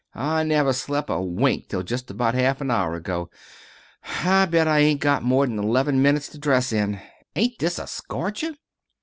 I never slep' a wink till just about half a hour ago. I bet I ain't got more than eleven minutes to dress in. Ain't this a scorcher!"